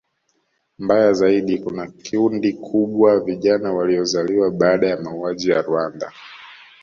Mbaya zaidi kuna kundi kubwa la vijana waliozaliwa baada ya mauaji ya Rwanda